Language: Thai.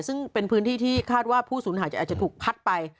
ซึ่งเป็นพื้นที่ที่คาดว่าผู้สูญหายอาจจะถูกพัดไป